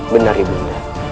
benar ibu nda